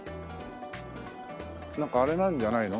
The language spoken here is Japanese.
なんかあれなんじゃないの？